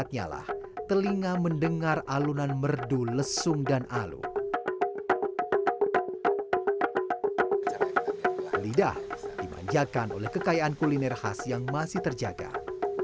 nah ini adalah bunyi yang lebih rendah